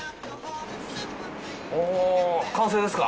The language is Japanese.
お完成ですか？